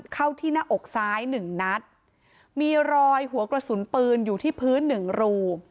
เข้าที่หน้าอกซ้ายหนึ่งนัดมีรอยหัวกระสุนปืนอยู่ที่พื้นหนึ่งรู